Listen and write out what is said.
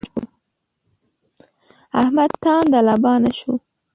احمد تانده لبانه شو.